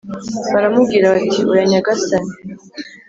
Baramubwira bati “ oya nyagasani”